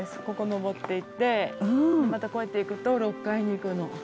ここ上っていってまたこうやって行くと６階に行くの。